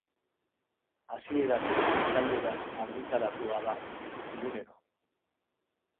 Hasieratik italieraz argitaratua da, egunero.